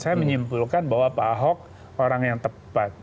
saya menyimpulkan bahwa pak ahok orang yang tepat